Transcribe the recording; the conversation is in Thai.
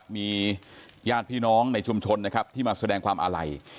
มีญาติพี่น้องในชุมชนที่มาแสดงความอะไหล